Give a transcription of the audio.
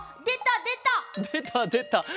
でたでた。